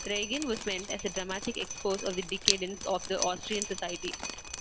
"Reigen" was meant as a dramatic expose of the decadence of the Austrian society.